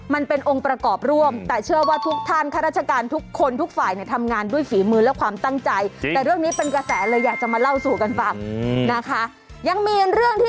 มันเป็นองค์ประกอบร่วมแต่เชื่อว่าทุกท่านข้าราชการทุกคนทุกฝ่ายเนี่ยทำงานด้วยฝีมือและความตั้งใจ